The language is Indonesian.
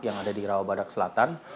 yang ada di rawabadak selatan